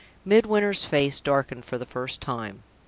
Midwinter's face darkened for the first time.